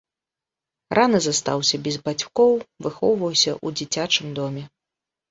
Рана застаўся без бацькоў, выхоўваўся ў дзіцячым доме.